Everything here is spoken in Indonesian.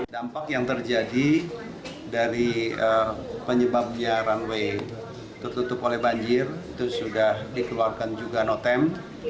dampak yang terjadi dari penyebabnya runway tertutup oleh banjir itu sudah dikeluarkan juga notem